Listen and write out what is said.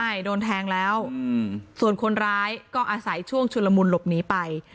ใช่โดนแทงแล้วส่วนคนร้ายก็อาศัยช่วงชุนละมุนหลบหนีไป